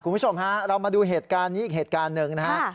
คุณผู้ชมฮะเรามาดูเหตุการณ์นี้อีกเหตุการณ์หนึ่งนะฮะ